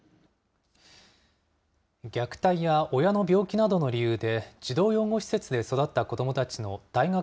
虐待や親の病気などの理由で、児童養護施設で育った子どもたちの大学